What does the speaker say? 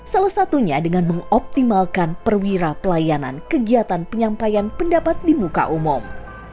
salah satunya dengan mengoptimalkan perwira pelayanan kegiatan penyampaian pendapat di muka umum